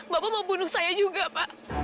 bapak mau bunuh saya juga pak